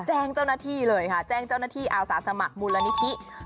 แจ้งเจ้าหน้าที่เลยค่ะแจ้งเจ้าหน้าที่อาสาสมัครมูลนิธิ